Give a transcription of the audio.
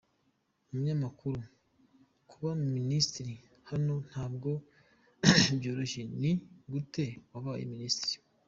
Umunyamakuru: Kuba minisitiri hano ntabwo byoroshye; ni gute wabaye Minisitiri?.